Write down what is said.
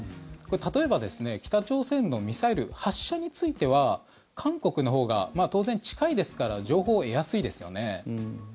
例えば、北朝鮮のミサイル発射については韓国のほうが当然、近いですから情報を得やすいですよね。